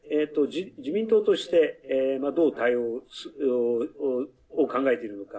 自民党としてなど、どう対応を考えているのか。